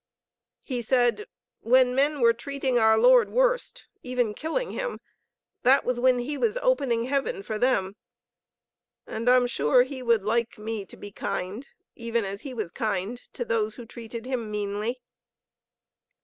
He said: "When men were treating our Lord worst, even killing Him, that was when He was opening heaven for them. And I'm sure He would like me to be kind as He was kind to those who treated Him meanly."